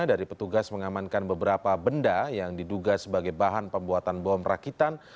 dari petugas mengamankan beberapa benda yang diduga sebagai bahan pembuatan bom rakitan